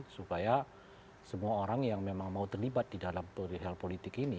supaya semua orang yang memang mau terlibat di dalam perihal politik ini